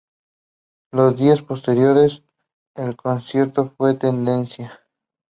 Los días posteriores el concierto fue tendencia.